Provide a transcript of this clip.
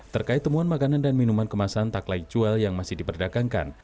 terkait temuan makanan dan minuman kemasan taklai jual yang masih diperdagangkan